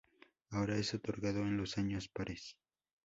Ahora es otorgado en los años pares.